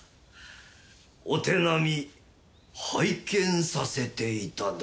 お手並み拝見させて頂きます。